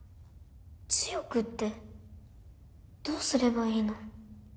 強くって、どうすればいいの？